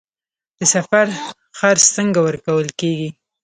د سفر خرڅ څنګه ورکول کیږي؟